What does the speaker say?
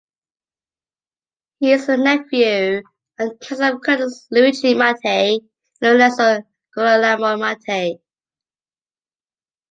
He is the nephew and cousin of the cardinals Luigi Mattei and Lorenzo Girolamo Mattei.